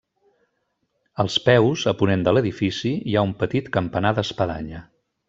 Als peus, a ponent de l'edifici, hi ha un petit campanar d'espadanya.